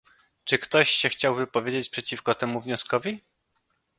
Czy ktoś się chciał wypowiedzieć przeciwko temu wnioskowi?